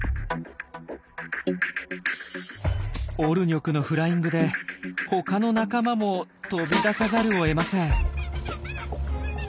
オルニョクのフライングで他の仲間も飛び出さざるを得ません。